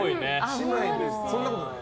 姉妹で、そんなことない？